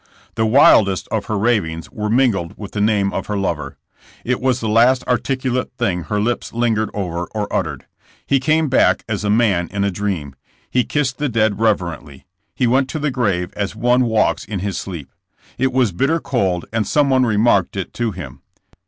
The wildest of her ravings were mingled with the name of her lover. It was the last articulate thing her lips lingered over or uttered. He came back as a man in a dream. He kissed the dead rev erently. He went to the grave as one walks in his sleep. It was bitter cold and someone remarked it to him.